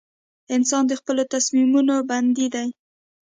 • انسان د خپلو تصمیمونو بندي دی.